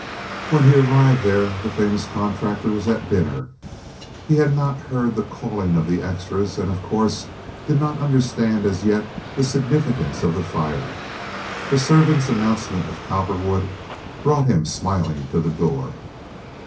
When he arrived there the famous contractor was at dinner. He had not heard the calling of the extras, and of course, did not understand as yet the significance of the fire. The servant's announcement of Cowperwood brought him smiling to the door.